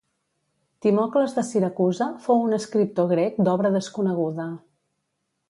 Timocles de Siracusa fou un escriptor grec d'obra desconeguda.